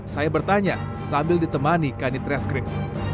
saya bertanya sambil ditemani kanit reskrip